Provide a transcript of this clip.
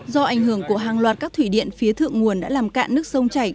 do ảnh hưởng của hàng loạt các thủy điện phía thượng nguồn đã làm cạn nước sông chảy